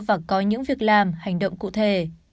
và có những việc làm hành động cụ thể